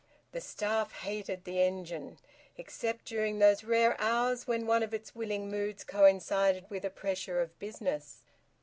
The staff hated the engine, except during those rare hours when one of its willing moods coincided with a pressure of business.